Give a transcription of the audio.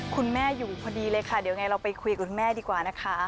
คุณแม่อยู่พอดีเลยค่ะเดี๋ยวไงเราไปคุยกับคุณแม่ดีกว่านะคะ